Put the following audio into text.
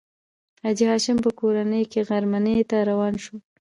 د حاجي هاشم په کور کې غرمنۍ ته روان شوو.